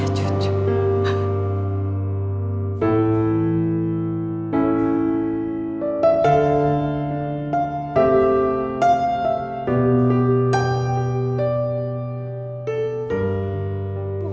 mas definitif sangat